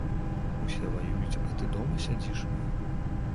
Усе ваююць, а ты дома сядзіш?